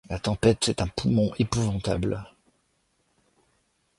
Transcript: La tempête est un poumon épouvantable.